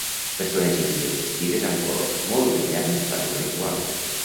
Persones índies vestides amb colors molt brillants fan un ritual.